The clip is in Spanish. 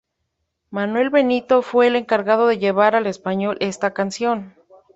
Manuel Benito fue el encargado de llevar al español esta canción.